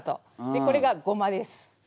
でこれがゴマです。